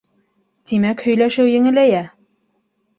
Тимәк һөйләшеү еңеләйә.